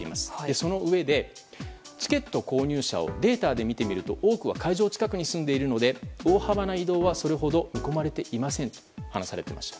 そのうえで、チケット購入者をデータで見てみると多くは会場近くに住んでいるので大幅な移動はそれほど見込まれていませんと話されていました。